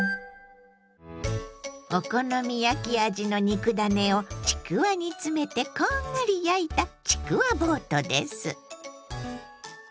お好み焼き味の肉ダネをちくわに詰めてこんがり焼いたちくわボートです。